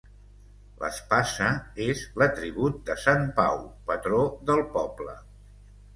L'espasa és l'atribut de sant Pau, patró del poble.